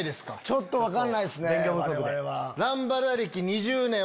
ちょっと分かんないっすね。